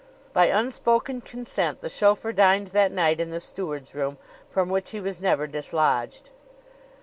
By unspoken consent the chauffeur dined that night in the steward's room, from which he was never dislodged.